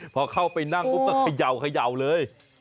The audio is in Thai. พอเข้าไปนั่งปุ๊บก็เขย่าเลย